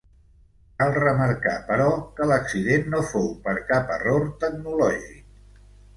Cal remarcar, però, que l'accident no fou per cap error tecnològic.